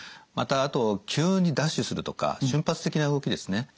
またあと急にダッシュするとか瞬発的な動きですね。